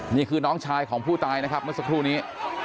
นี่คือน้องชายของผู้ตายนะครับเมื่อสักครู่นี้